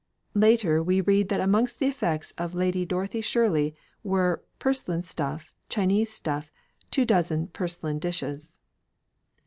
Later, we read that amongst the effects of Lady Dorothy Shirley were "purslin stuffe, Chinese stuffe, two dozen of purslin dishes."